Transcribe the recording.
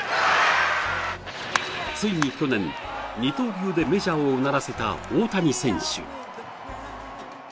ついに去年二刀流でメジャーをうならせた大谷選手